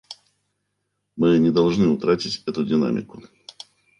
Мы не должны утратить эту динамику.